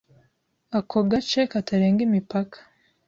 Ako gace katarenga imipaka.